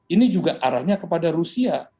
ini juga arahnya kepada rusia